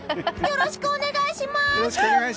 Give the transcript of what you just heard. よろしくお願いします。